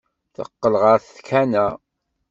Teqqel ɣer tkanna.